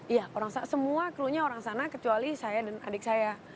iya orang sana semua klunya orang sana kecuali saya dan adik saya